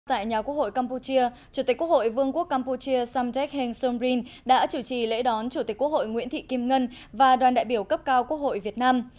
tại nhà quốc hội campuchia chủ tịch quốc hội vương quốc campuchia samdek heng somrin đã chủ trì lễ đón chủ tịch quốc hội nguyễn thị kim ngân và đoàn đại biểu cấp cao quốc hội việt nam